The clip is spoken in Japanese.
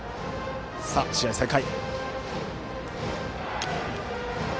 試合再開。